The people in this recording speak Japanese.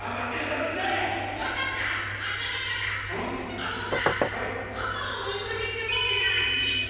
あのさハトのぬいぐるみってもってない？